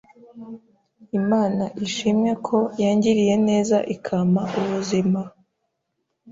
Imana ishimwe ko yangiriye neza ikampa ubuzima